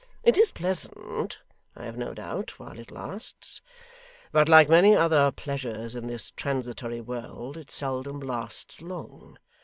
It is pleasant, I have no doubt, while it lasts; but like many other pleasures in this transitory world, it seldom lasts long.